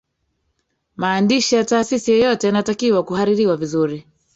maandishi ya taasisi yoyote yanatakiwa kuhaririwa vizuri